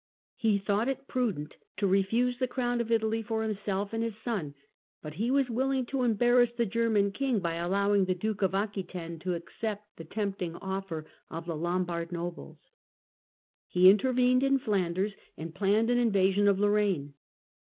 He thought it prudent to refuse the crown of Italy for himself and his son, but he was willing to embarrass the German king by allowing the Duke of Aquitaine to accept the tempting offer of the Lombard nobles (see p. 29). He intervened in Flanders, and planned an invasion of Lorraine.